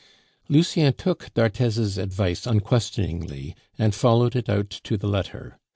Lucien took d'Arthez's advice unquestioningly, and followed it out to the letter.